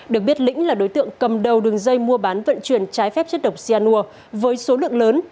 được biết lĩnh là đối tượng cầm đầu đường dây mua bán vận chuyển trái phép chất độc cyanur với số lượng lớn